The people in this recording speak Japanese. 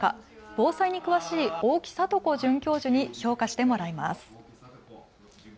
防災に詳しい大木聖子准教授に評価してもらいます。